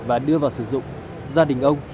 và đưa vào sử dụng gia đình ông